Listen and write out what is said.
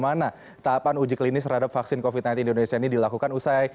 mana tahapan uji klinis terhadap vaksin covid sembilan belas di indonesia ini dilakukan usai